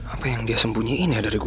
apa yang dia sembunyiin ya dari gue